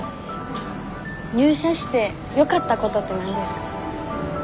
入社してよかったことって何ですか？